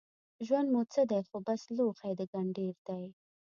ژوند مو څه دی خو بس لوښی د ګنډېر دی